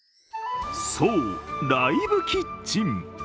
そう、ライブキッチン。